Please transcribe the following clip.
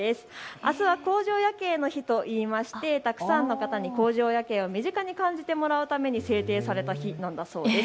あすは工場夜景の日といいましてたくさんの方に工場夜景を身近に感じてもらうために制定された日なんだそうです。